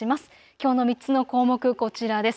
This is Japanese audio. きょうの３つの項目こちらです。